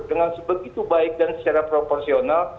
dengan sebegitu baik dan secara proporsional